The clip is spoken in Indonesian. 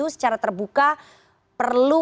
secara terbuka perlu